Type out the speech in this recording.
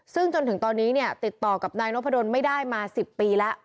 ซึ่งจนถึงตอนนี้เนี่ยติดต่อกับนายนพดลไม่ได้มา๑๐ปีแล้ว